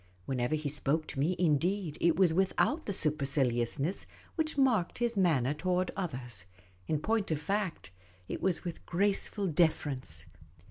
Whenever he spoke to me, indeed, it was without the super ciliousness which marked his manner toward others ; in point of fact, it was with graceful deference.